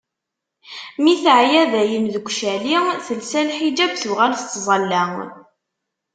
Mi teɛya dayen deg ucali, telsa lḥiǧab, tuɣal tettẓalla.